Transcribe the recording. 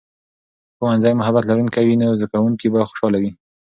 که ښوونځی محبت لرونکی وي، نو زده کوونکي به خوشاله وي.